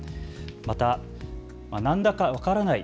また、なんだか分からない。